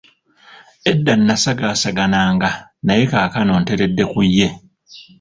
Edda nasagaasagananga naye kaakano nteredde ku ye.